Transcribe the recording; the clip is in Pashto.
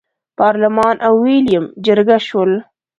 پارلمان او ویلیم جرګه شول.